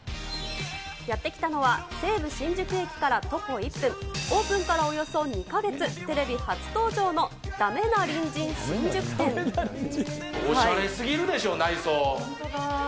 やって来たのは、西武新宿駅から徒歩１分、オープンからおよそ２か月、テレビ初登場の、駄目な隣人新宿おしゃれすぎるでしょ、本当だ。